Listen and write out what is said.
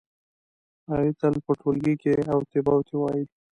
علي تل په ټولگي کې اوتې بوتې وایي.